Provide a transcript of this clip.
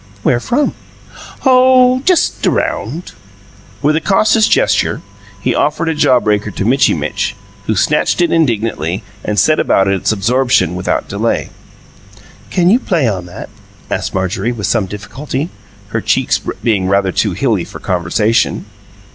"Where from?" "Oh just around." With a cautious gesture he offered a jaw breaker to Mitchy Mitch, who snatched it indignantly and set about its absorption without delay. "Can you play on that?" asked Marjorie, with some difficulty, her cheeks being rather too hilly for conversation.